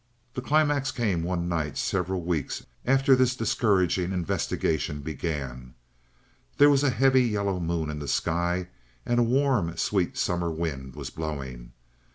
The climax came one night several weeks after this discouraging investigation began. There was a heavy yellow moon in the sky, and a warm, sweet summer wind was blowing.